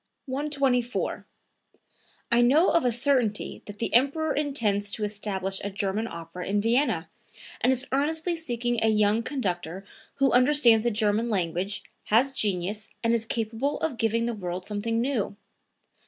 124. "I know of a certainty that the Emperor intends to establish a German opera in Vienna, and is earnestly seeking a young conductor who understands the German language, has genius and is capable of giving the world something new.